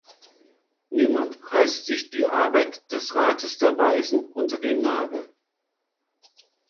Niemand reißt sich die Arbeit des Rates der Weisen unter den Nagel.